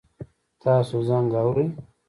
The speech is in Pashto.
تاسو زنګ اورئ؟